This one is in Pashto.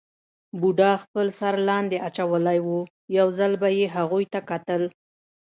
بوډا خپل سر لاندې اچولی وو، یو ځل به یې هغوی ته کتل.